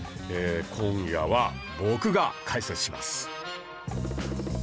今夜は僕が解説します。